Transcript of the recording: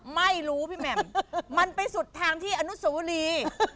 ไม่รู้มันไปสุดทางที่อนุสวรี